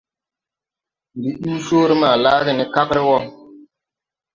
Ndi duu coore maa laage ne kagre wɔɔ.